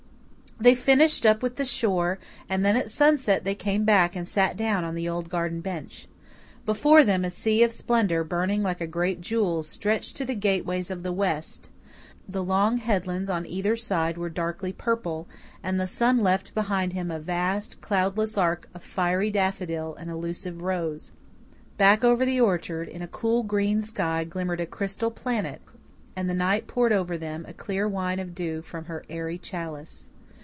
They finished up with the shore, and then at sunset they came back and sat down on the old garden bench. Before them a sea of splendour, burning like a great jewel, stretched to the gateways of the west. The long headlands on either side were darkly purple, and the sun left behind him a vast, cloudless arc of fiery daffodil and elusive rose. Back over the orchard in a cool, green sky glimmered a crystal planet, and the night poured over them a clear wine of dew from her airy chalice.